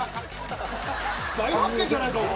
大発見じゃないかお前！